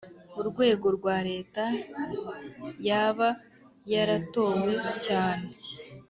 Urwego rwa leta yaba yaratowe cyangwa